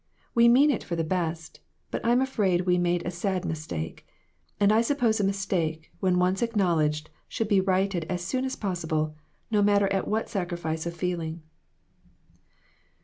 We meant it for the best; but I'm afraid we made a sad mis take. And I suppose a mistake, when once acknowledged, should be righted as soon as possi ble, no matter at what sacrifice of feeing."